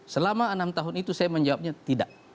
selama enam tahun itu saya menjawabnya tidak